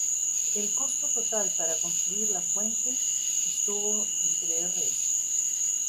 El costo total para construir la fuente estuvo entre Rs.